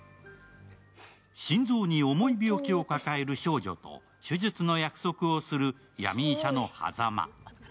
心臓に重い病気を抱える少女と手術の約束をする闇医者の波佐間。